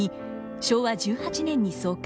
昭和１８年に創刊。